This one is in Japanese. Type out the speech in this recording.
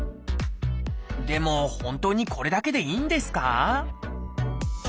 でも本当にこれだけでいいんですか？